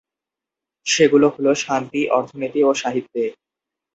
সেগুলো হল: শান্তি, অর্থনীতি ও সাহিত্যে।